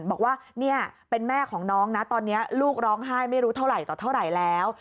บอกว่าเนี่ยเป็นแม่ของน้องนะตอนนี้ลูกร้องไห้ไม่รู้เท่าไหร่ต่อเท่าไหร่แล้ว